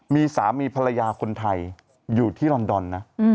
มีสามีภรรยาคนไทยอยู่ที่ลอนดอนนะ